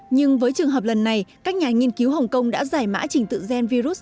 nhưng với trường hợp lần này các nhà nghiên cứu hồng kông đã giải mã trình tự gen virus